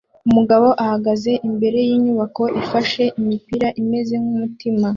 Umugabo ahagaze imbere yinyubako ifashe imipira imeze nkumutima